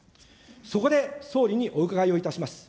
そこで総理にお伺いをいたします。